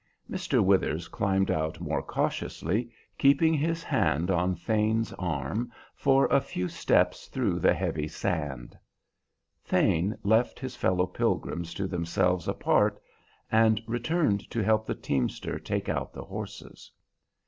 Mr. Withers climbed out more cautiously, keeping his hand on Thane's arm for a few steps through the heavy sand. Thane left his fellow pilgrims to themselves apart, and returned to help the teamster take out the horses.